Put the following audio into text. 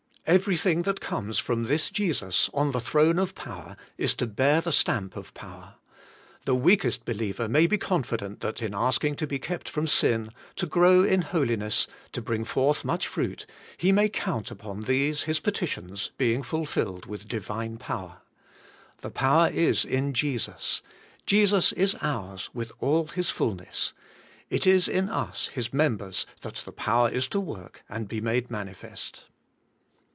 Everything that comes from this Jesus on the throne of power is to bear the stamp of power. The weakest believer may be confident that in asking to be kept from sin, to grow in holiness, to bring forth much fruit, he may count upon these his peti tions being fulfilled with Divine power. The power is in Jesus; Jesus is ours with all His fulness; it is in us His members that the power is to work and be made manifest.